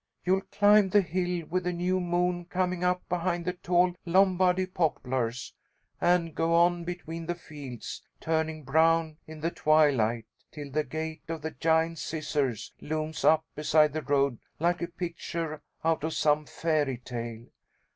You'll climb the hill with the new moon coming up behind the tall Lombardy poplars, and go on between the fields, turning brown in the twilight, till the Gate of the Giant Scissors looms up beside the road like a picture out of some fairy tale.